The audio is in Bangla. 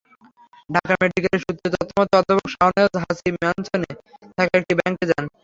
ঢাকা মেডিকেলের সূত্রের তথ্যমতে, অধ্যাপক শাহনেওয়াজ হাজি ম্যানসনে থাকা একটি ব্যাংকে যান।